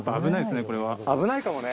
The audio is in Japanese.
危ないかもね。